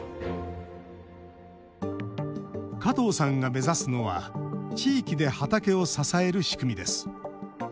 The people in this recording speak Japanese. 加藤さんが目指すのは地域で畑を支える仕組みです。